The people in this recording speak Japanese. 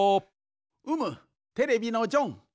うむテレビのジョン。